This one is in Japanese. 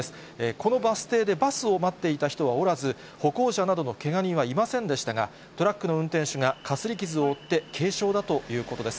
このバス停でバスを待っていた人はおらず、歩行者などのけが人はいませんでしたが、トラックの運転手がかすり傷を負って軽傷だということです。